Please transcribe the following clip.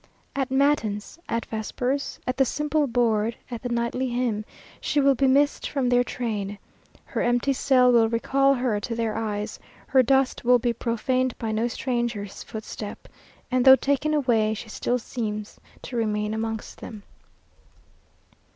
At matins, at vespers, at the simple board, at the nightly hymn, she will be missed from their train. Her empty cell will recall her to their eyes; her dust will be profaned by no stranger's footstep, and though taken away she still seems to remain amongst them....